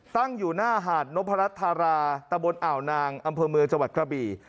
ตั้งอยู่หน้าหาดนพรัชธาราตะบนอ่าวนางอำเภอเมืองจังหวัดกระบี่